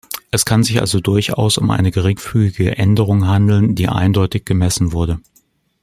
Es kann sich also durchaus um eine geringfügige Änderung handeln, die eindeutig gemessen wurde.